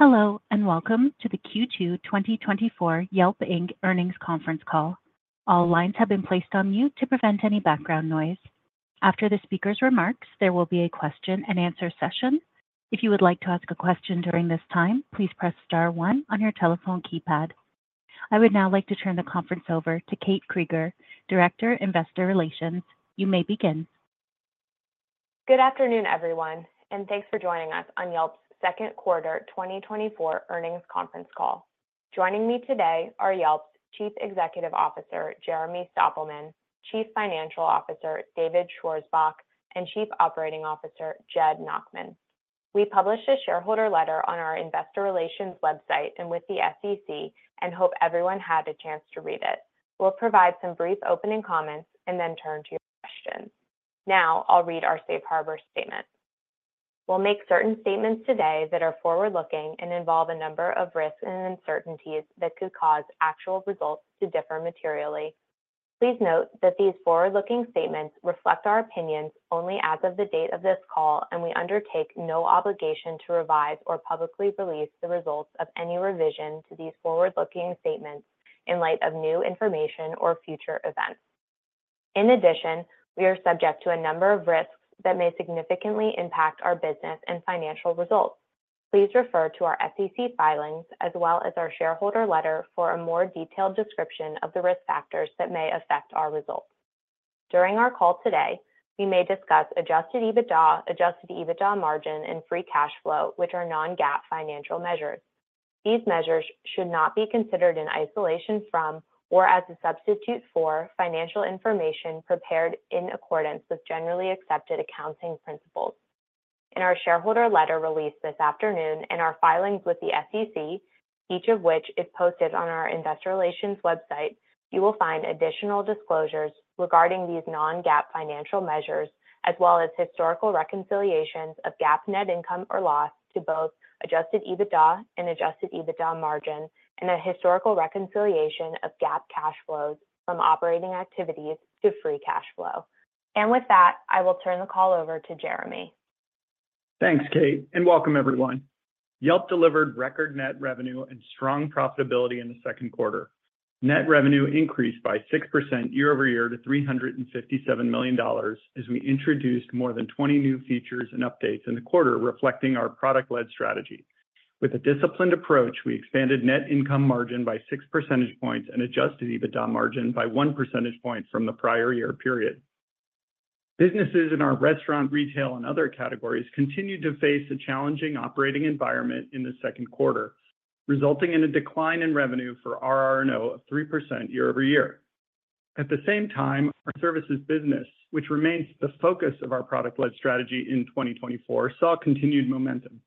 Hello, and welcome to the Q2 2024 Yelp Inc. Earnings Conference Call. All lines have been placed on mute to prevent any background noise. After the speaker's remarks, there will be a question-and-answer session. If you would like to ask a question during this time, please press star one on your telephone keypad. I would now like to turn the conference over to Kate Krieger, Director, Investor Relations. You may begin. Good afternoon, everyone, and thanks for joining us on Yelp's second quarter 2024 earnings conference call. Joining me today are Yelp's Chief Executive Officer, Jeremy Stoppelman, Chief Financial Officer, David Schwarzbach, and Chief Operating Officer, Jed Nachman. We published a shareholder letter on our investor relations website and with the SEC, and hope everyone had a chance to read it. We'll provide some brief opening comments and then turn to your questions. Now, I'll read our safe harbor statement. We'll make certain statements today that are forward-looking and involve a number of risks and uncertainties that could cause actual results to differ materially. Please note that these forward-looking statements reflect our opinions only as of the date of this call, and we undertake no obligation to revise or publicly release the results of any revision to these forward-looking statements in light of new information or future events. In addition, we are subject to a number of risks that may significantly impact our business and financial results. Please refer to our SEC filings as well as our shareholder letter for a more detailed description of the risk factors that may affect our results. During our call today, we may discuss Adjusted EBITDA, Adjusted EBITDA margin, and free cash flow, which are non-GAAP financial measures. These measures should not be considered in isolation from, or as a substitute for, financial information prepared in accordance with generally accepted accounting principles. In our shareholder letter released this afternoon and our filings with the SEC, each of which is posted on our investor relations website, you will find additional disclosures regarding these non-GAAP financial measures, as well as historical reconciliations of GAAP net income or loss to both Adjusted EBITDA and Adjusted EBITDA margin, and a historical reconciliation of GAAP cash flows from operating activities to free cash flow. With that, I will turn the call over to Jeremy. Thanks, Kate, and welcome everyone. Yelp delivered record net revenue and strong profitability in the second quarter. Net revenue increased by 6% year-over-year to $357 million as we introduced more than 20 new features and updates in the quarter, reflecting our product-led strategy. With a disciplined approach, we expanded net income margin by 6 percentage points and Adjusted EBITDA margin by 1 percentage point from the prior year period. Businesses in our restaurant, retail, and other categories continued to face a challenging operating environment in the second quarter, resulting in a decline in revenue for RR&O of 3% year-over-year. At the same time, our services business, which remains the focus of our product-led strategy in 2024, saw continued momentum.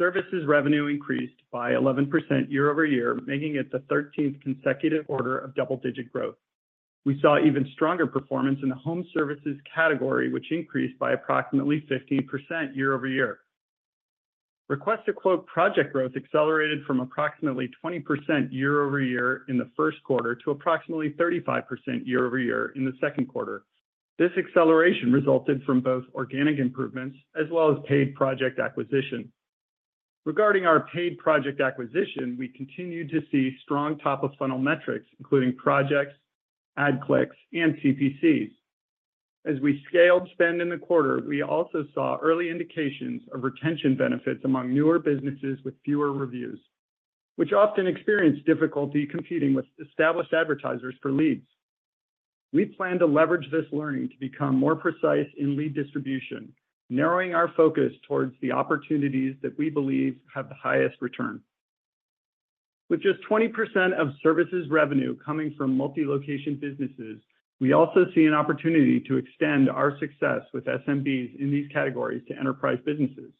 Services revenue increased by 11% year-over-year, making it the 13th consecutive order of double-digit growth. We saw even stronger performance in the home services category, which increased by approximately 15% year-over-year. Request a Quote project growth accelerated from approximately 20% year-over-year in the first quarter to approximately 35% year-over-year in the second quarter. This acceleration resulted from both organic improvements as well as paid project acquisition. Regarding our paid project acquisition, we continued to see strong top-of-funnel metrics, including projects, ad clicks, and CPCs. As we scaled spend in the quarter, we also saw early indications of retention benefits among newer businesses with fewer reviews, which often experience difficulty competing with established advertisers for leads. We plan to leverage this learning to become more precise in lead distribution, narrowing our focus towards the opportunities that we believe have the highest return. With just 20% of services revenue coming from multi-location businesses, we also see an opportunity to extend our success with SMBs in these categories to enterprise businesses.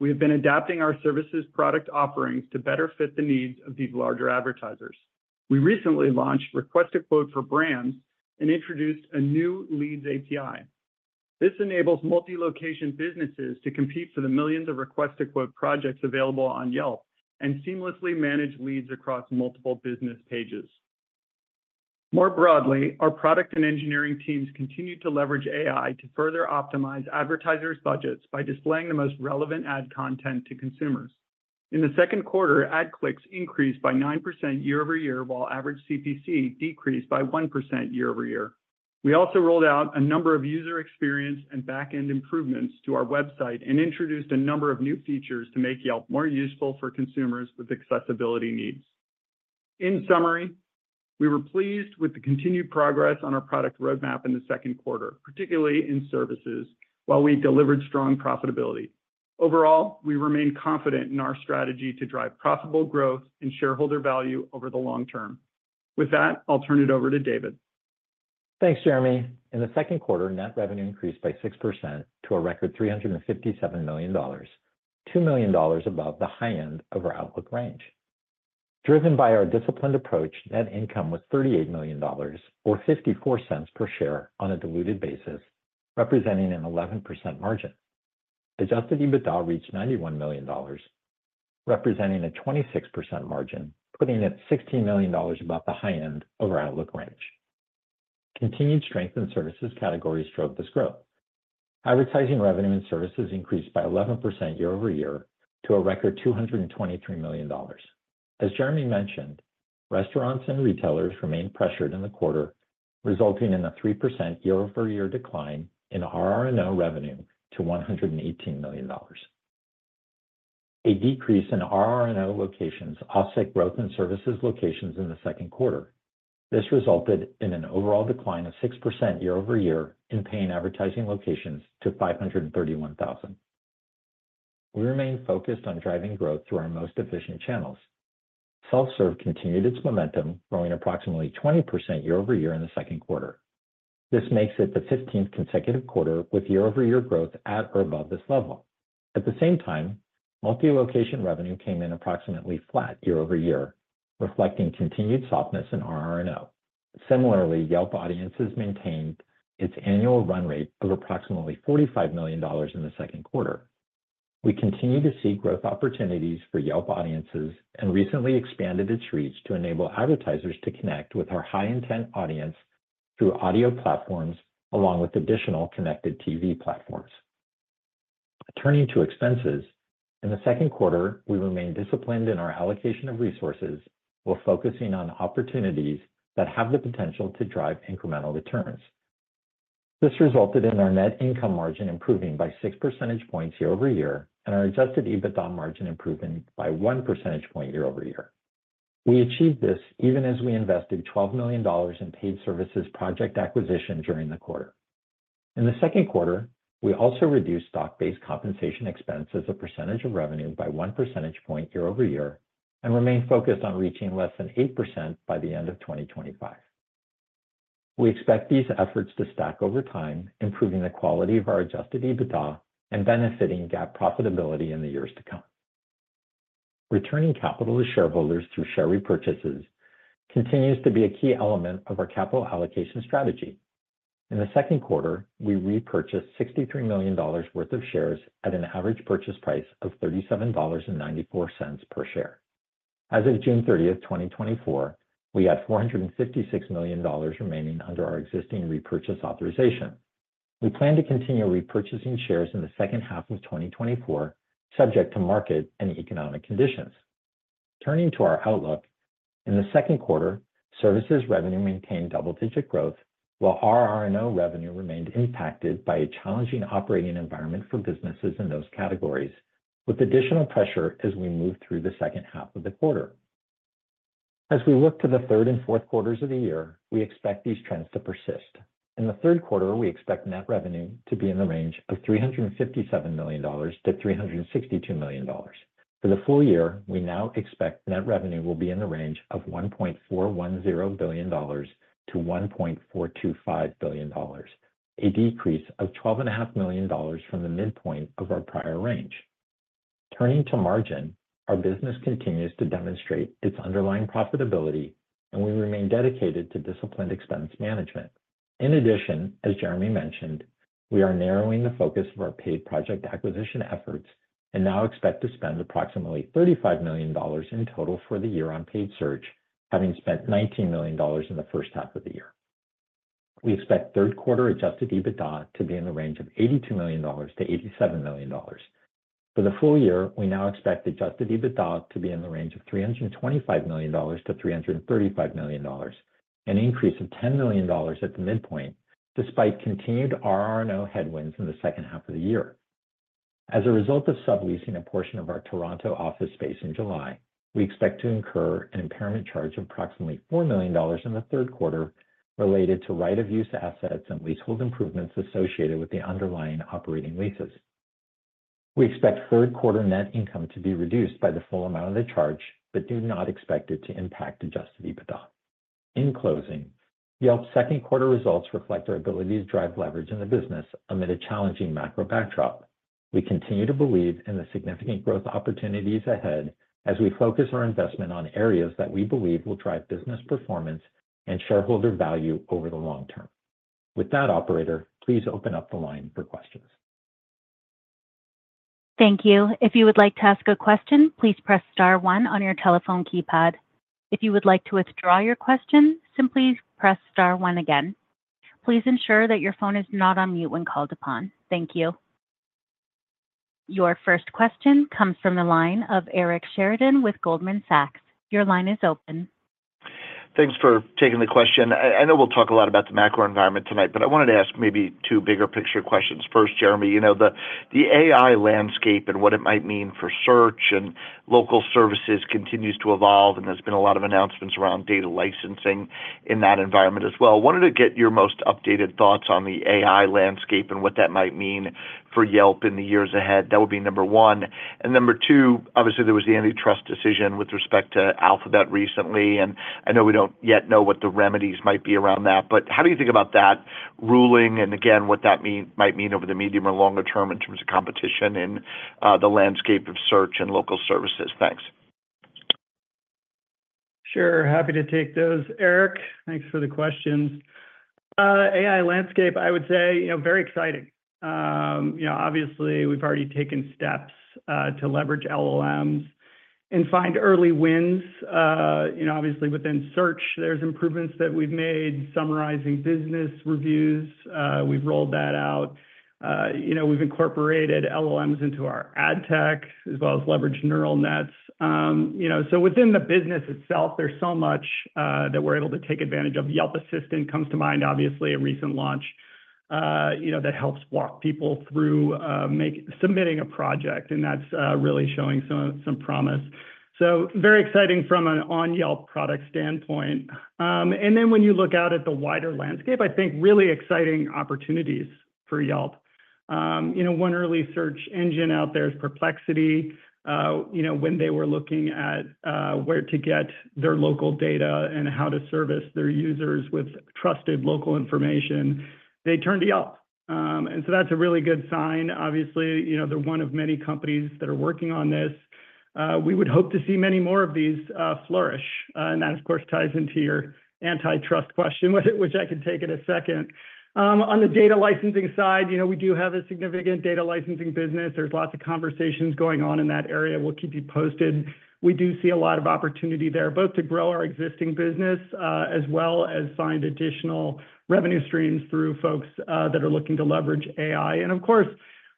We have been adapting our services product offerings to better fit the needs of these larger advertisers. We recently launched Request a Quote for Brands and introduced a new Leads API. This enables multi-location businesses to compete for the millions of Request a Quote projects available on Yelp and seamlessly manage leads across multiple business pages. More broadly, our product and engineering teams continued to leverage AI to further optimize advertisers' budgets by displaying the most relevant ad content to consumers. In the second quarter, ad clicks increased by 9% year-over-year, while average CPC decreased by 1% year-over-year. We also rolled out a number of user experience and back-end improvements to our website and introduced a number of new features to make Yelp more useful for consumers with accessibility needs. In summary, we were pleased with the continued progress on our product roadmap in the second quarter, particularly in services, while we delivered strong profitability. Overall, we remain confident in our strategy to drive profitable growth and shareholder value over the long term. With that, I'll turn it over to David. Thanks, Jeremy. In the second quarter, net revenue increased by 6% to a record $357 million, $2 million above the high end of our outlook range. Driven by our disciplined approach, net income was $38 million or $0.54 per share on a diluted basis, representing an 11% margin. Adjusted EBITDA reached $91 million, representing a 26% margin, putting it $16 million above the high end of our outlook range. Continued strength in services categories drove this growth. Advertising revenue and services increased by 11% year-over-year to a record $223 million. As Jeremy mentioned, restaurants and retailers remained pressured in the quarter, resulting in a 3% year-over-year decline in RR&O revenue to $118 million. A decrease in RR&O locations offset growth in services locations in the second quarter. This resulted in an overall decline of 6% year-over-year in paying advertising locations to 531,000. We remain focused on driving growth through our most efficient channels. Self-serve continued its momentum, growing approximately 20% year-over-year in the second quarter. This makes it the 15th consecutive quarter with year-over-year growth at or above this level. At the same time, multi-location revenue came in approximately flat year-over-year, reflecting continued softness in RR&O. Similarly, Yelp Audiences maintained its annual run rate of approximately $45 million in the second quarter. We continue to see growth opportunities for Yelp Audiences, and recently expanded its reach to enable advertisers to connect with our high intent audience through audio platforms, along with additional connected TV platforms. Turning to expenses, in the second quarter, we remained disciplined in our allocation of resources, while focusing on opportunities that have the potential to drive incremental returns. This resulted in our net income margin improving by 6 percentage points year-over-year, and our adjusted EBITDA margin improving by 1 percentage point year-over-year. We achieved this even as we invested $12 million in paid services project acquisition during the quarter. In the second quarter, we also reduced stock-based compensation expense as a percentage of revenue by 1 percentage point year-over-year, and remain focused on reaching less than 8% by the end of 2025. We expect these efforts to stack over time, improving the quality of our adjusted EBITDA and benefiting GAAP profitability in the years to come. Returning capital to shareholders through share repurchases continues to be a key element of our capital allocation strategy. In the second quarter, we repurchased $63 million worth of shares at an average purchase price of $37.94 per share. As of June 30, 2024, we had $456 million remaining under our existing repurchase authorization. We plan to continue repurchasing shares in the second half of 2024, subject to market and economic conditions. Turning to our outlook, in the second quarter, services revenue maintained double-digit growth, while RR&O revenue remained impacted by a challenging operating environment for businesses in those categories, with additional pressure as we move through the second half of the quarter. As we look to the third and fourth quarters of the year, we expect these trends to persist. In the third quarter, we expect net revenue to be in the range of $357 million-$362 million. For the full year, we now expect net revenue will be in the range of $1.410 billion-$1.425 billion, a decrease of $12.5 million from the midpoint of our prior range. Turning to margin, our business continues to demonstrate its underlying profitability, and we remain dedicated to disciplined expense management. In addition, as Jeremy mentioned, we are narrowing the focus of our paid project acquisition efforts and now expect to spend approximately $35 million in total for the year on paid search, having spent $19 million in the first half of the year. We expect third quarter Adjusted EBITDA to be in the range of $82 million-$87 million. For the full year, we now expect Adjusted EBITDA to be in the range of $325 million-$335 million, an increase of $10 million at the midpoint, despite continued RR&O headwinds in the second half of the year. As a result of subleasing a portion of our Toronto office space in July, we expect to incur an impairment charge of approximately $4 million in the third quarter related to right-of-use assets and leasehold improvements associated with the underlying operating leases. We expect third quarter net income to be reduced by the full amount of the charge, but do not expect it to impact Adjusted EBITDA. In closing, Yelp's second quarter results reflect our ability to drive leverage in the business amid a challenging macro backdrop. We continue to believe in the significant growth opportunities ahead as we focus our investment on areas that we believe will drive business performance and shareholder value over the long term. With that, operator, please open up the line for questions. Thank you. If you would like to ask a question, please press star one on your telephone keypad. If you would like to withdraw your question, simply press star one again. Please ensure that your phone is not on mute when called upon. Thank you. Your first question comes from the line of Eric Sheridan with Goldman Sachs. Your line is open. Thanks for taking the question. I know we'll talk a lot about the macro environment tonight, but I wanted to ask maybe two bigger picture questions. First, Jeremy, you know, the AI landscape and what it might mean for search and local services continues to evolve, and there's been a lot of announcements around data licensing in that environment as well. Wanted to get your most updated thoughts on the AI landscape and what that might mean for Yelp in the years ahead. That would be number one. Number two, obviously, there was the antitrust decision with respect to Alphabet recently, and I know we don't yet know what the remedies might be around that, but how do you think about that ruling, and again, what that might mean over the medium or longer term in terms of competition in the landscape of search and local services? Thanks. Sure. Happy to take those, Eric. Thanks for the questions. ...AI landscape, I would say, you know, very exciting. You know, obviously, we've already taken steps to leverage LLMs and find early wins. You know, obviously, within search, there's improvements that we've made, summarizing business reviews, we've rolled that out. You know, we've incorporated LLMs into our ad tech, as well as leveraged neural nets. You know, so within the business itself, there's so much that we're able to take advantage of. Yelp Assistant comes to mind, obviously, a recent launch, you know, that helps walk people through submitting a project, and that's really showing some promise. So very exciting from an on-Yelp product standpoint. And then when you look out at the wider landscape, I think really exciting opportunities for Yelp. You know, one early search engine out there is Perplexity. You know, when they were looking at where to get their local data and how to service their users with trusted local information, they turned to Yelp. And so that's a really good sign. Obviously, you know, they're one of many companies that are working on this. We would hope to see many more of these flourish, and that, of course, ties into your antitrust question, which I can take in a second. On the data licensing side, you know, we do have a significant data licensing business. There's lots of conversations going on in that area. We'll keep you posted. We do see a lot of opportunity there, both to grow our existing business as well as find additional revenue streams through folks that are looking to leverage AI. And of course,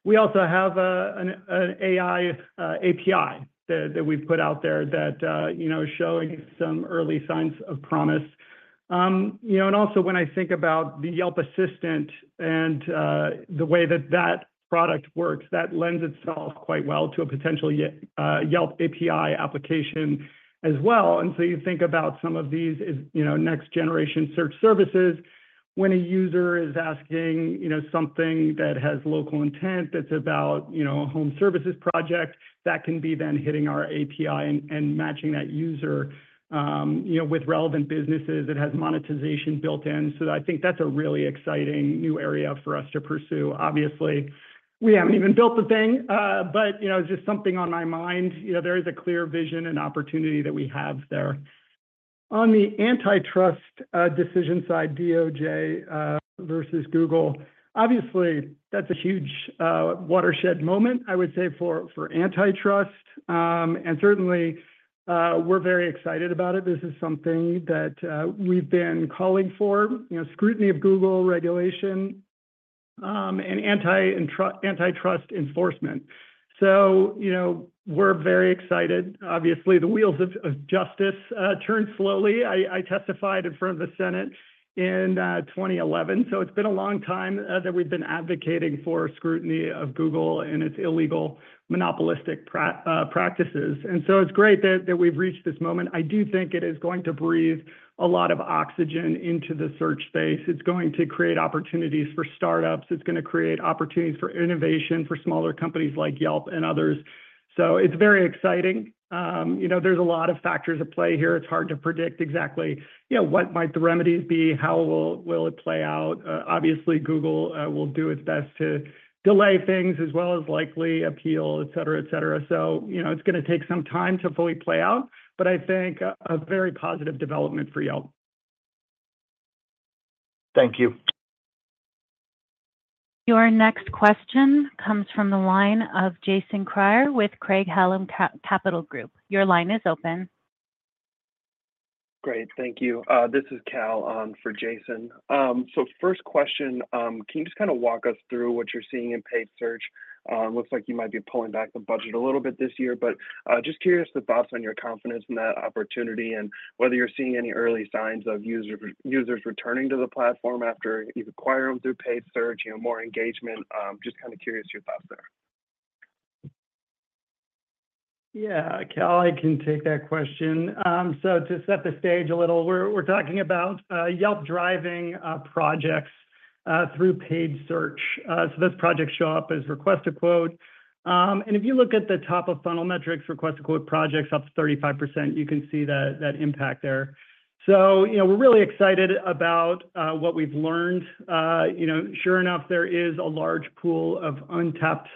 we also have an AI API that we've put out there that you know is showing some early signs of promise. You know, and also when I think about the Yelp Assistant and the way that that product works, that lends itself quite well to a potential Yelp API application as well. And so you think about some of these as you know next-generation search services. When a user is asking you know something that has local intent, that's about you know a home services project, that can be then hitting our API and matching that user you know with relevant businesses. It has monetization built in, so I think that's a really exciting new area for us to pursue. Obviously, we haven't even built the thing, but you know just something on my mind. You know, there is a clear vision and opportunity that we have there. On the antitrust decision side, DOJ versus Google, obviously, that's a huge watershed moment, I would say, for antitrust. And certainly, we're very excited about it. This is something that we've been calling for, you know, scrutiny of Google regulation, and antitrust enforcement. So, you know, we're very excited. Obviously, the wheels of justice turn slowly. I testified in front of the Senate in 2011, so it's been a long time that we've been advocating for scrutiny of Google and its illegal, monopolistic practices. And so it's great that we've reached this moment. I do think it is going to breathe a lot of oxygen into the search space. It's going to create opportunities for startups. It's gonna create opportunities for innovation for smaller companies like Yelp and others. So it's very exciting. You know, there's a lot of factors at play here. It's hard to predict exactly, you know, what might the remedies be? How will it play out? Obviously, Google will do its best to delay things as well as likely appeal, et cetera, et cetera. So, you know, it's gonna take some time to fully play out, but I think a very positive development for Yelp. Thank you. Your next question comes from the line of Jason Kreyer with Craig-Hallum Capital Group. Your line is open. Great, thank you. This is Cal, for Jason. So first question, can you just kinda walk us through what you're seeing in paid search? Looks like you might be pulling back the budget a little bit this year, but, just curious, the thoughts on your confidence in that opportunity and whether you're seeing any early signs of user, users returning to the platform after you've acquired them through paid search, you know, more engagement? Just kinda curious your thoughts there. Yeah, Cal, I can take that question. So to set the stage a little, we're talking about Yelp driving projects through paid search. So those projects show up as Request a Quote. And if you look at the top of funnel metrics, Request a Quote projects up 35%, you can see that impact there. So, you know, we're really excited about what we've learned. You know, sure enough, there is a large pool of untapped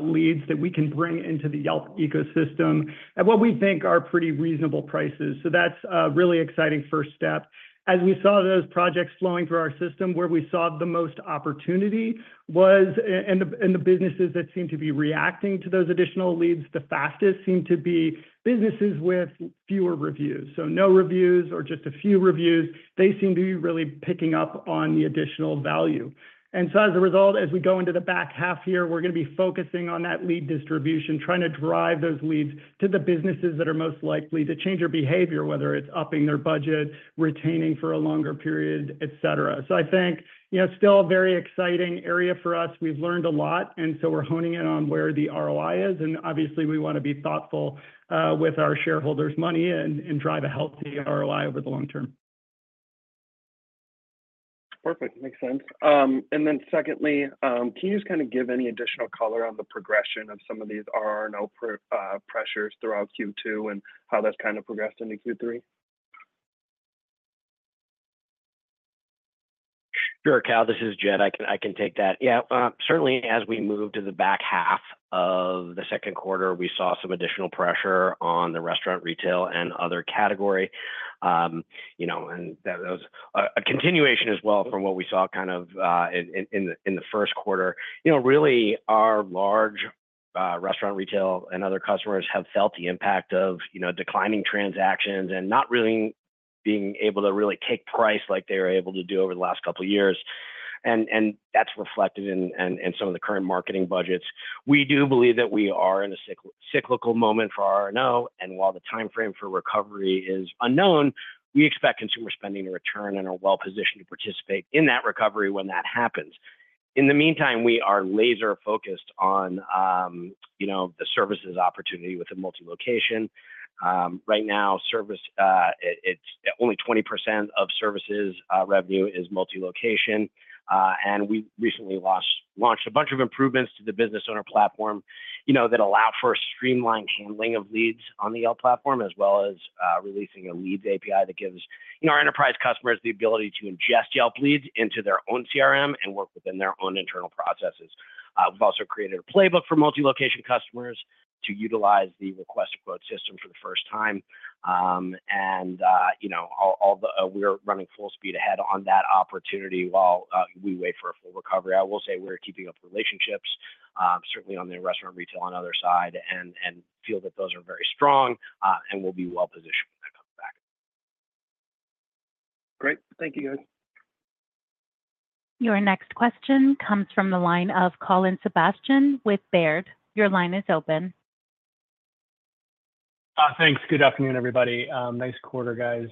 leads that we can bring into the Yelp ecosystem, at what we think are pretty reasonable prices. So that's a really exciting first step. As we saw those projects flowing through our system, where we saw the most opportunity was... And the businesses that seem to be reacting to those additional leads the fastest seem to be businesses with fewer reviews. So no reviews or just a few reviews, they seem to be really picking up on the additional value. And so as a result, as we go into the back half here, we're gonna be focusing on that lead distribution, trying to drive those leads to the businesses that are most likely to change their behavior, whether it's upping their budget, retaining for a longer period, et cetera. So I think, you know, it's still a very exciting area for us. We've learned a lot, and so we're honing in on where the ROI is, and obviously, we wanna be thoughtful with our shareholders' money and drive a healthy ROI over the long term. Perfect. Makes sense. Then secondly, can you just kind of give any additional color on the progression of some of these RR&O pressures throughout Q2, and how that's kind of progressed into Q3? Sure, Cal, this is Jed. I can, I can take that. Yeah, certainly as we move to the back half of the second quarter, we saw some additional pressure on the restaurant, retail, and other category. You know, and that was a continuation as well from what we saw kind of in the first quarter. You know, really our large restaurant, retail, and other customers have felt the impact of declining transactions and not really being able to really take price like they were able to do over the last couple of years. And that's reflected in some of the current marketing budgets. We do believe that we are in a cyclical moment for RR&O, and while the timeframe for recovery is unknown, we expect consumer spending to return and are well-positioned to participate in that recovery when that happens. In the meantime, we are laser-focused on, you know, the services opportunity with the multi-location. Right now, services revenue, it's only 20% of services revenue is multi-location. And we recently launched a bunch of improvements to the business owner platform, you know, that allow for a streamlined handling of leads on the Yelp platform, as well as releasing a Leads API that gives, you know, our enterprise customers the ability to ingest Yelp leads into their own CRM and work within their own internal processes. We've also created a playbook for multi-location customers to utilize the Request a Quote system for the first time. You know, we're running full speed ahead on that opportunity while we wait for a full recovery. I will say we're keeping up the relationships, certainly on the restaurant, retail, and other side, and feel that those are very strong, and we'll be well-positioned when that comes back. Great. Thank you, guys. Your next question comes from the line of Colin Sebastian with Baird. Your line is open. Thanks. Good afternoon, everybody. Nice quarter, guys.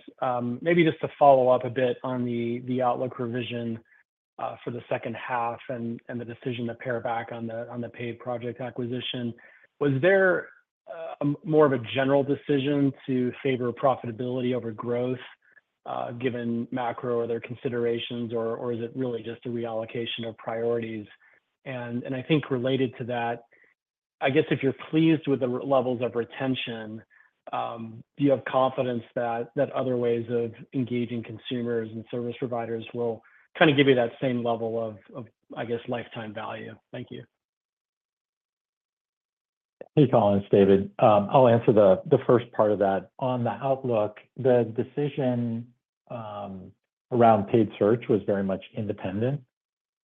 Maybe just to follow up a bit on the outlook revision for the second half and the decision to pare back on the paid project acquisition. Was there more of a general decision to favor profitability over growth, given macro other considerations, or is it really just a reallocation of priorities? And I think related to that, I guess if you're pleased with the levels of retention, do you have confidence that other ways of engaging consumers and service providers will kind of give you that same level of, I guess, lifetime value? Thank you. Hey, Colin, it's David. I'll answer the first part of that. On the outlook, the decision around paid search was very much independent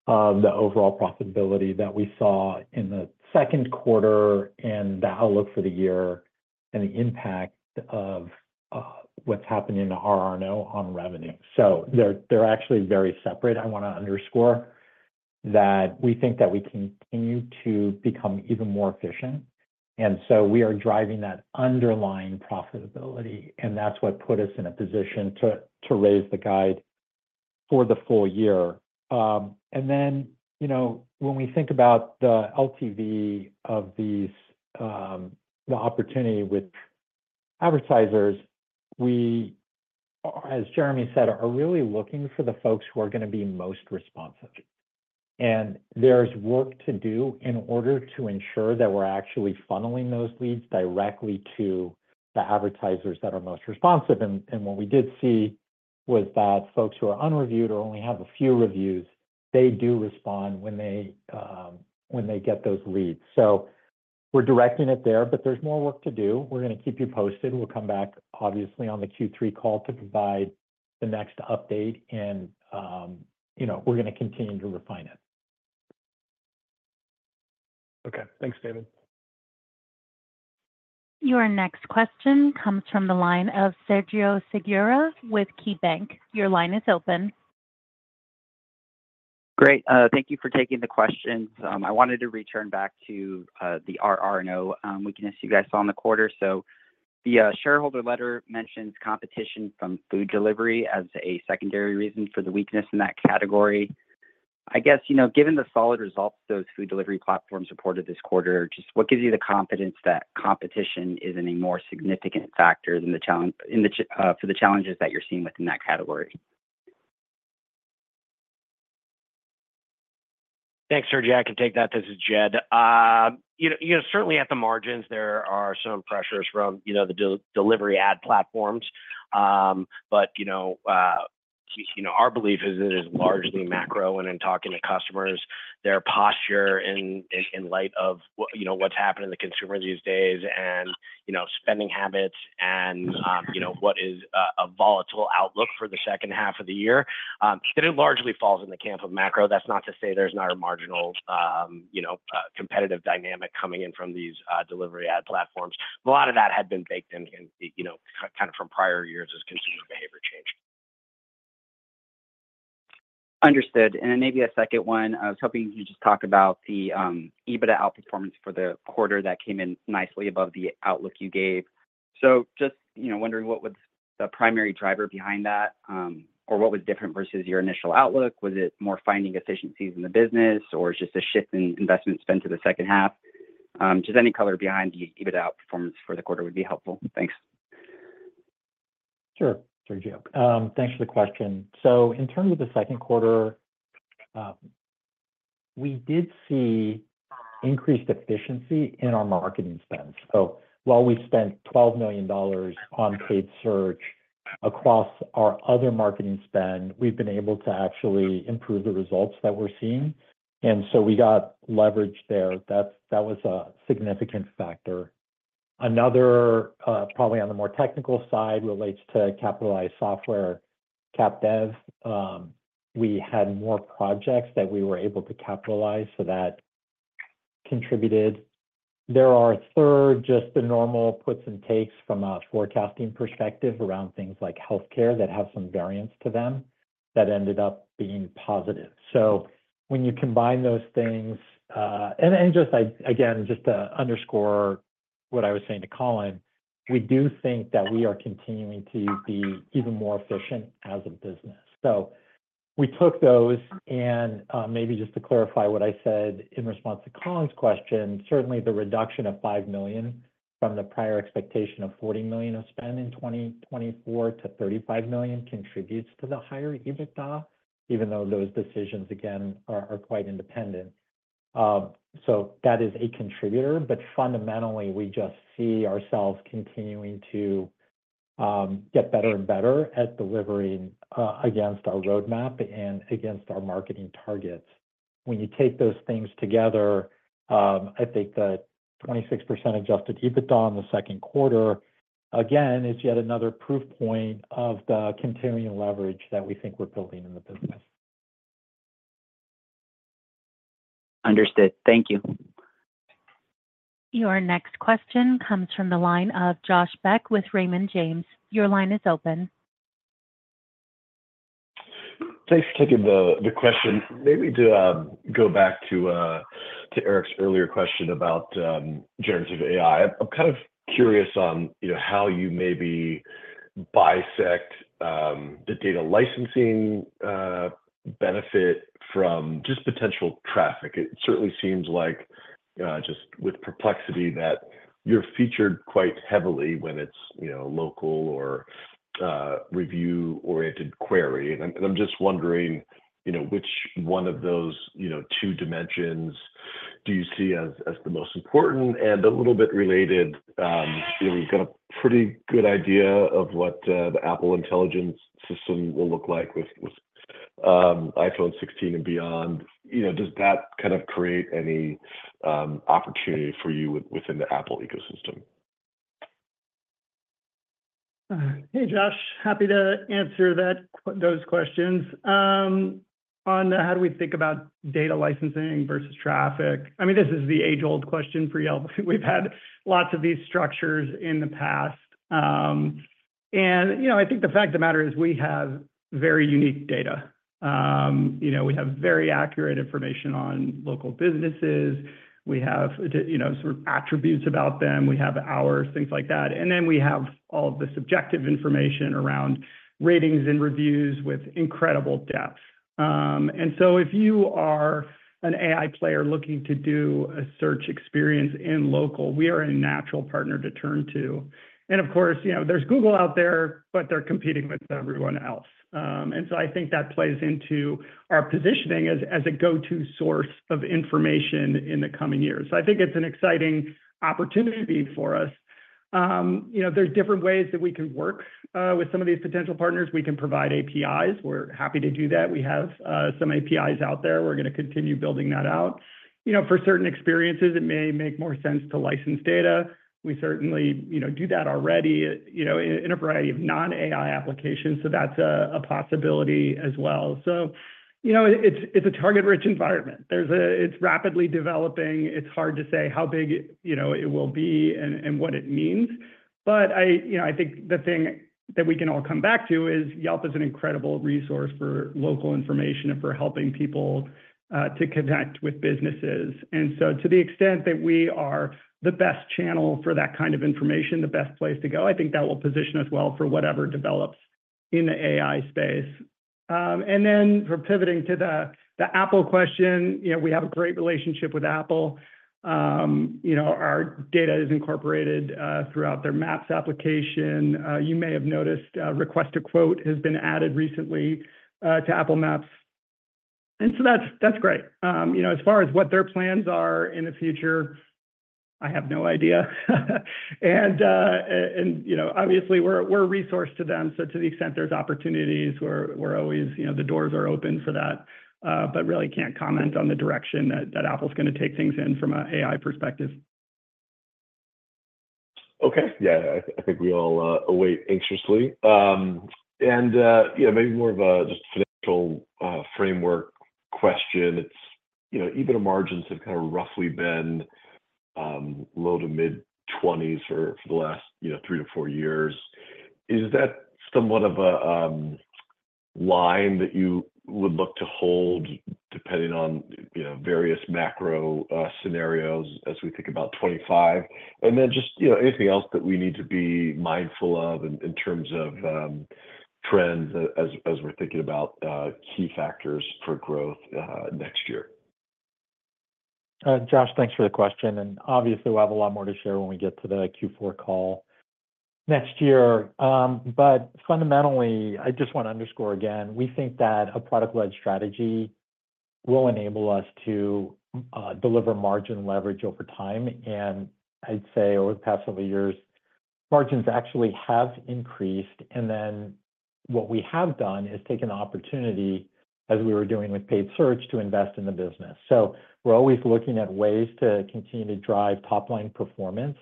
of the overall profitability that we saw in the second quarter, and the outlook for the year, and the impact of what's happening in the RR&O on revenue. So they're actually very separate. I wanna underscore that we think that we continue to become even more efficient, and so we are driving that underlying profitability, and that's what put us in a position to raise the guide for the full year. And then, you know, when we think about the LTV of these the opportunity with advertisers, we, as Jeremy said, are really looking for the folks who are gonna be most responsive. And there's work to do in order to ensure that we're actually funneling those leads directly to the advertisers that are most responsive. And what we did see was that folks who are unreviewed or only have a few reviews, they do respond when they get those leads. So we're directing it there, but there's more work to do. We're gonna keep you posted. We'll come back, obviously, on the Q3 call to provide the next update, and you know, we're gonna continue to refine it. Okay. Thanks, David. Your next question comes from the line of Sergio Segura with KeyBanc. Your line is open. Great. Thank you for taking the questions. I wanted to return back to, the RR&O, weakness you guys saw in the quarter. So the shareholder letter mentions competition from food delivery as a secondary reason for the weakness in that category. I guess, you know, given the solid results those food delivery platforms reported this quarter, just what gives you the confidence that competition isn't a more significant factor in the challenge, in the, for the challenges that you're seeing within that category? Thanks, Sergio. I can take that. This is Jed. You know, certainly at the margins there are some pressures from, you know, the delivery ad platforms. But, you know, our belief is it is largely macro, and in talking to customers, their posture in light of what's happening in the consumer these days and, you know, spending habits and, you know, what is a volatile outlook for the second half of the year. It largely falls in the camp of macro. That's not to say there's not a marginal, you know, competitive dynamic coming in from these delivery ad platforms. A lot of that had been baked in, you know, kind of from prior years as consumer behavior changed. Understood. And then maybe a second one. I was hoping you could just talk about the EBITDA outperformance for the quarter that came in nicely above the outlook you gave. So just, you know, wondering what was the primary driver behind that, or what was different versus your initial outlook? Was it more finding efficiencies in the business, or just a shift in investment spend to the second half? Just any color behind the EBITDA outperformance for the quarter would be helpful. Thanks. Sure, Sergio. Thanks for the question. So in terms of the second quarter, we did see increased efficiency in our marketing spend. So while we spent $12 million on paid search across our other marketing spend, we've been able to actually improve the results that we're seeing, and so we got leverage there. That was a significant factor. Another, probably on the more technical side, relates to capitalized software, CapDev. We had more projects that we were able to capitalize, so that contributed. There are a third, just the normal puts and takes from a forecasting perspective around things like healthcare, that have some variance to them, that ended up being positive. So when you combine those things, and, and just, like, again, just to underscore what I was saying to Colin, we do think that we are continuing to be even more efficient as a business. So we took those, and, maybe just to clarify what I said in response to Colin's question, certainly the reduction of $5 million from the prior expectation of $40 million of spend in 2024 to $35 million contributes to the higher EBITDA, even though those decisions, again, are, are quite independent. So that is a contributor, but fundamentally, we just see ourselves continuing to get better and better at delivering against our roadmap and against our marketing targets. When you take those things together, I think the 26% Adjusted EBITDA on the second quarter, again, is yet another proof point of the continuing leverage that we think we're building in the business. Understood. Thank you. Your next question comes from the line of Josh Beck with Raymond James. Your line is open. Thanks for taking the question. Maybe to go back to Eric's earlier question about generative AI. I'm kind of curious on, you know, how you maybe bisect the data licensing benefit from just potential traffic. It certainly seems like just with Perplexity, that you're featured quite heavily when it's, you know, local or review-oriented query. And I'm just wondering, you know, which one of those, you know, two dimensions do you see as the most important? And a little bit related, you've got a pretty good idea of what the Apple Intelligence system will look like with iPhone 16 and beyond. You know, does that kind of create any opportunity for you within the Apple ecosystem? Hey, Josh. Happy to answer that, those questions. On how do we think about data licensing versus traffic? I mean, this is the age-old question for Yelp. We've had lots of these structures in the past. And, you know, I think the fact of the matter is, we have very unique data. You know, we have very accurate information on local businesses. We have, you know, sort of attributes about them, we have hours, things like that. And then we have all of the subjective information around ratings and reviews with incredible depth. And so if you are an AI player looking to do a search experience in local, we are a natural partner to turn to. And of course, you know, there's Google out there, but they're competing with everyone else. And so I think that plays into our positioning as a go-to source of information in the coming years. So I think it's an exciting opportunity for us. You know, there's different ways that we can work with some of these potential partners. We can provide APIs. We're happy to do that. We have some APIs out there. We're gonna continue building that out. You know, for certain experiences, it may make more sense to license data. We certainly, you know, do that already, you know, in a variety of non-AI applications, so that's a possibility as well. So, you know, it's a target-rich environment. It's rapidly developing. It's hard to say how big, you know, it will be and what it means. But I, you know, I think the thing that we can all come back to is Yelp is an incredible resource for local information and for helping people to connect with businesses. And so to the extent that we are the best channel for that kind of information, the best place to go, I think that will position us well for whatever develops in the AI space. And then for pivoting to the Apple question, you know, we have a great relationship with Apple. You know, our data is incorporated throughout their Maps application. You may have noticed, Request a Quote has been added recently to Apple Maps, and so that's, that's great. You know, as far as what their plans are in the future, I have no idea. You know, obviously, we're a resource to them, so to the extent there's opportunities, we're always, you know, the doors are open for that. But really can't comment on the direction that Apple's gonna take things in from an AI perspective. Okay. Yeah, I think we all await anxiously. Yeah, maybe more of a just financial framework question. It's, you know, EBITDA margins have kind of roughly been low- to mid-20s for the last, you know, 3-4 years. Is that somewhat of a line that you would look to hold, depending on, you know, various macro scenarios as we think about 2025? And then just, you know, anything else that we need to be mindful of in terms of trends as we're thinking about key factors for growth next year? Josh, thanks for the question, and obviously, we'll have a lot more to share when we get to the Q4 call next year. But fundamentally, I just want to underscore again, we think that a product-led strategy will enable us to deliver margin leverage over time. And I'd say over the past several years margins actually have increased, and then what we have done is take an opportunity, as we were doing with paid search, to invest in the business. So we're always looking at ways to continue to drive top-line performance,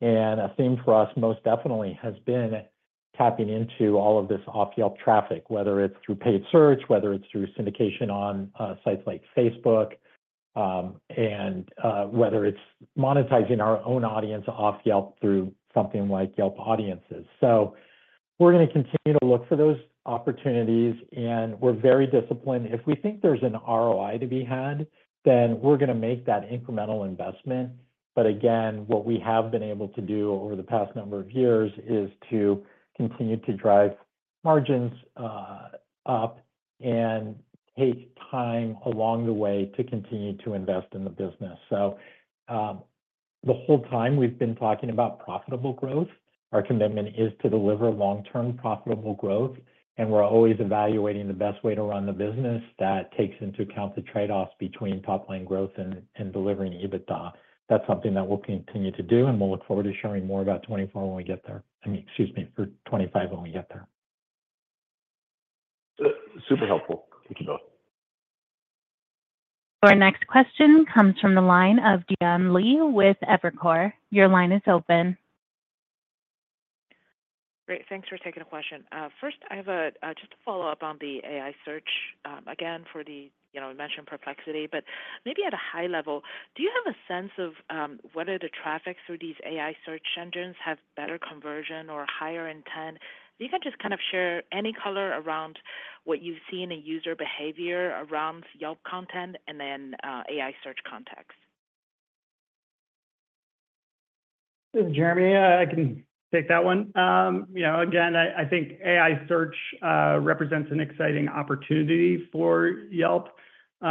and a theme for us most definitely has been tapping into all of this off-Yelp traffic, whether it's through paid search, whether it's through syndication on sites like Facebook, and whether it's monetizing our own audience off Yelp through something like Yelp Audiences. So we're gonna continue to look for those opportunities, and we're very disciplined. If we think there's an ROI to be had, then we're gonna make that incremental investment. But again, what we have been able to do over the past number of years is to continue to drive margins up, and take time along the way to continue to invest in the business. So, the whole time we've been talking about profitable growth, our commitment is to deliver long-term profitable growth, and we're always evaluating the best way to run the business that takes into account the trade-offs between top-line growth and delivering EBITDA. That's something that we'll continue to do, and we'll look forward to sharing more about 2024 when we get there - I mean, excuse me, for 2025 when we get there. Super helpful. Thank you both. Our next question comes from the line of Jian Li with Evercore. Your line is open. Great, thanks for taking the question. First, I have just a follow-up on the AI search. Again, for the, you know, mentioned Perplexity, but maybe at a high level, do you have a sense of whether the traffic through these AI search engines have better conversion or higher intent? You can just kind of share any color around what you've seen in user behavior around Yelp content and then AI search context. Jeremy, I can take that one. You know, again, I think AI search represents an exciting opportunity for Yelp. You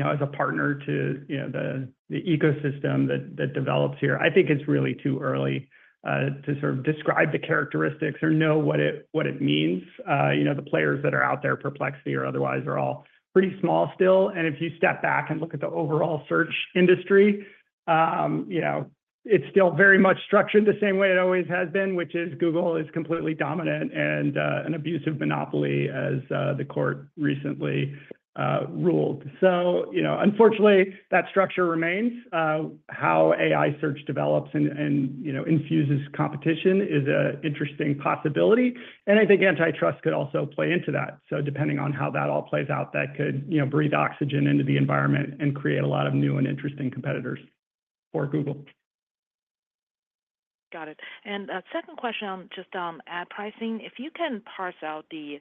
know, as a partner to you know, the ecosystem that develops here. I think it's really too early to sort of describe the characteristics or know what it means. You know, the players that are out there, Perplexity or otherwise, are all pretty small still, and if you step back and look at the overall search industry, you know, it's still very much structured the same way it always has been, which is Google is completely dominant and an abusive monopoly, as the court recently ruled. So, you know, unfortunately, that structure remains. How AI search develops and you know infuses competition is an interesting possibility, and I think antitrust could also play into that. So depending on how that all plays out, that could, you know, breathe oxygen into the environment and create a lot of new and interesting competitors for Google. Got it. And a second question on, just on ad pricing. If you can parse out the,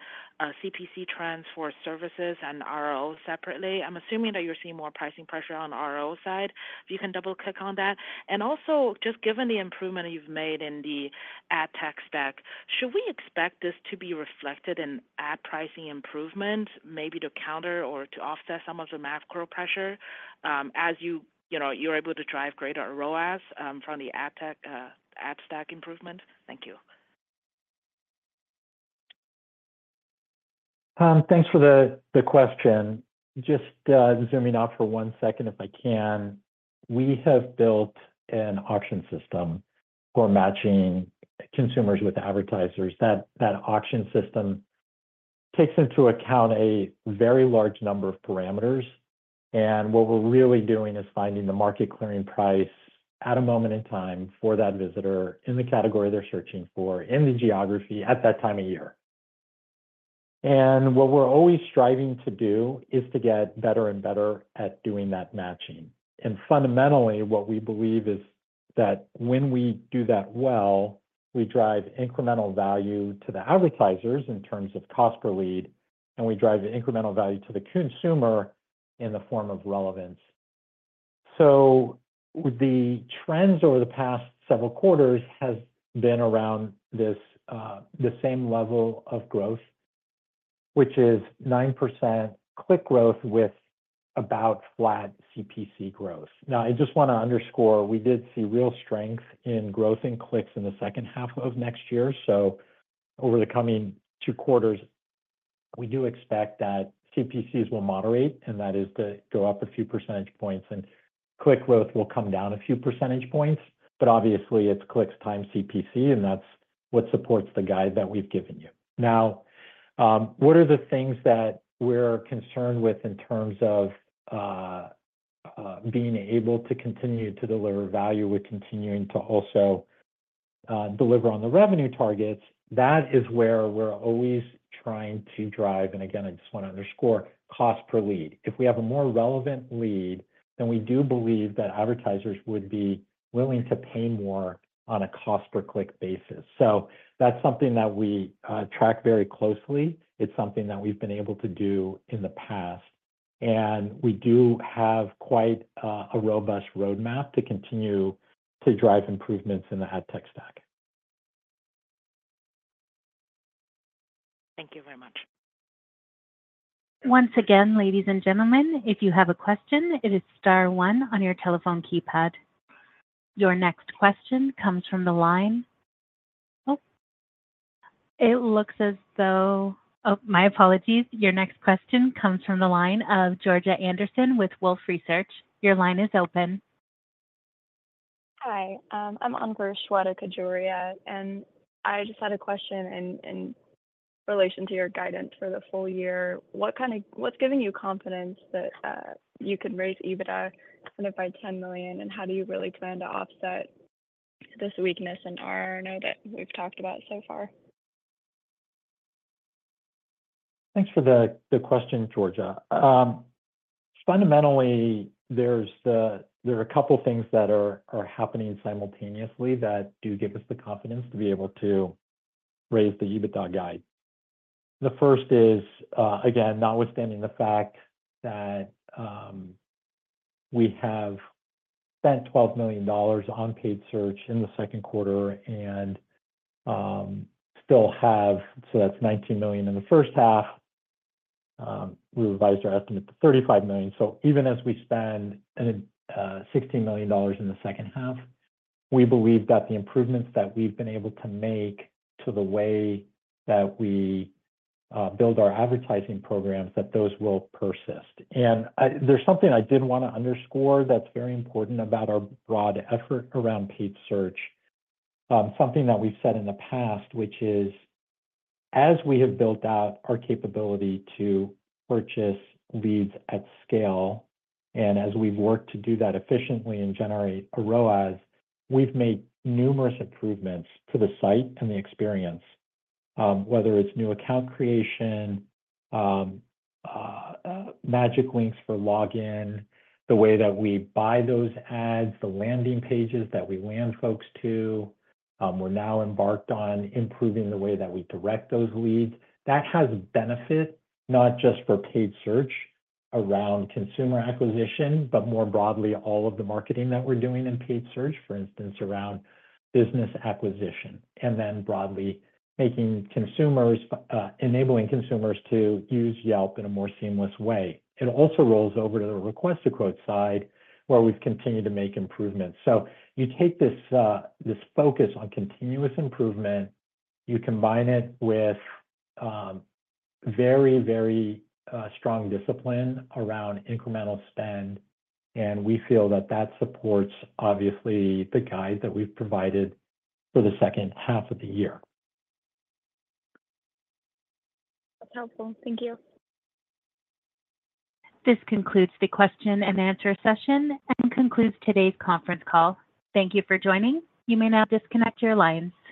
CPC trends for services and RRO separately, I'm assuming that you're seeing more pricing pressure on RRO side. If you can double-click on that. And also, just given the improvement you've made in the ad tech stack, should we expect this to be reflected in ad pricing improvement, maybe to counter or to offset some of the macro pressure, as you, you know, you're able to drive greater ROAS, from the ad tech, ad stack improvement? Thank you. Thanks for the question. Just zooming out for one second, if I can. We have built an auction system for matching consumers with advertisers. That auction system takes into account a very large number of parameters, and what we're really doing is finding the market clearing price at a moment in time for that visitor in the category they're searching for, in the geography at that time of year. And what we're always striving to do is to get better and better at doing that matching. And fundamentally, what we believe is that when we do that well, we drive incremental value to the advertisers in terms of cost per lead, and we drive the incremental value to the consumer in the form of relevance. So the trends over the past several quarters has been around this, this same level of growth, which is 9% click growth with about flat CPC growth. Now, I just want to underscore, we did see real strength in growth in clicks in the second half of next year. So over the coming two quarters, we do expect that CPCs will moderate, and that is to go up a few percentage points, and click growth will come down a few percentage points, but obviously, it's clicks times CPC, and that's what supports the guide that we've given you. Now, what are the things that we're concerned with in terms of, being able to continue to deliver value? We're continuing to also, deliver on the revenue targets. That is where we're always trying to drive, and again, I just want to underscore, cost per lead. If we have a more relevant lead, then we do believe that advertisers would be willing to pay more on a cost per click basis. So that's something that we track very closely. It's something that we've been able to do in the past, and we do have quite a robust roadmap to continue to drive improvements in the ad tech stack. Thank you very much. Once again, ladies and gentlemen, if you have a question, it is star one on your telephone keypad. Your next question comes from the line... Oh... It looks as though - oh, my apologies. Your next question comes from the line of Georgia Anderson with Wolfe Research. Your line is open. Hi, I'm on for Shweta Khajuria, and I just had a question in relation to your guidance for the full year. What's giving you confidence that you can raise EBITDA kind of by $10 million, and how do you really plan to offset this weakness in RR&O that we've talked about so far? Thanks for the question, Georgia. Fundamentally, there are a couple things that are happening simultaneously that do give us the confidence to be able to raise the EBITDA guide. The first is, again, notwithstanding the fact that we have spent $12 million on paid search in the second quarter and still have... So that's $19 million in the first half. We revised our estimate to $35 million. So even as we spend $16 million in the second half, we believe that the improvements that we've been able to make to the way that we build our advertising programs, that those will persist. And there's something I did want to underscore that's very important about our broad effort around paid search. Something that we've said in the past, which is, as we have built out our capability to purchase leads at scale, and as we've worked to do that efficiently and generate ROAS, we've made numerous improvements to the site and the experience. Whether it's new account creation, magic links for login, the way that we buy those ads, the landing pages that we land folks to. We're now embarked on improving the way that we direct those leads. That has benefit, not just for paid search around consumer acquisition, but more broadly, all of the marketing that we're doing in paid search, for instance, around business acquisition, and then broadly making consumers, enabling consumers to use Yelp in a more seamless way. It also rolls over to the Request a Quote side, where we've continued to make improvements. So you take this, this focus on continuous improvement, you combine it with very, very strong discipline around incremental spend, and we feel that that supports, obviously, the guide that we've provided for the second half of the year. That's helpful. Thank you. This concludes the question and answer session, and concludes today's conference call. Thank you for joining. You may now disconnect your lines.